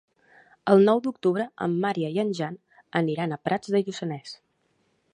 El nou d'octubre en Maria i en Jan aniran a Prats de Lluçanès.